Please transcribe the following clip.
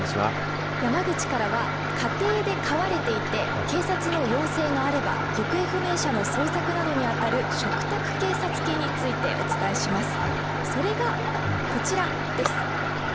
山口からは家庭で飼われていて警察の要請があれば行方不明者の捜索などに当たる嘱託警察犬についてお伝えします。